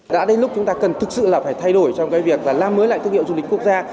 đã đến lúc chúng ta cần thực sự là phải thay đổi trong cái việc là làm mới lại thương hiệu du lịch quốc gia